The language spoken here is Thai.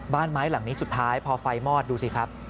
บ้านไม้หลังนี้สุดท้ายพอไฟมอดดูสิครับ